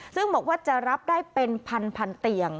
ซึ่งบอกว่าจะรับได้เป็นพันเตียง